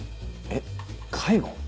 えっ介護？